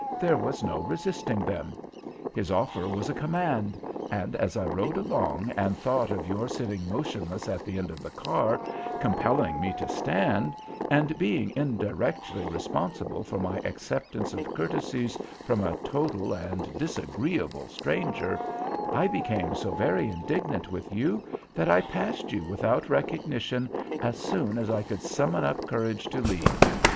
There was no resisting them. His offer was a command; and as I rode along and thought of your sitting motionless at the end of the car, compelling me to stand, and being indirectly responsible for my acceptance of courtesies from a total and disagreeable stranger, I became so very indignant with you that I passed you without recognition as soon as I could summon up courage to leave.